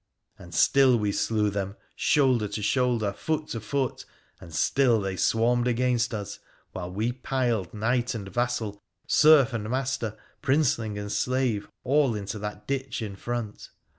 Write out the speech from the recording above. And still we slew them, shoulder to shoulder, foot to foot, and still they swarmed against us, while we piled knight and vassal, serf and master, princeling and slave, all into that ditch in front.